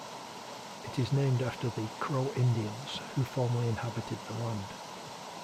It is named after the Crow Indians who formerly inhabited the land.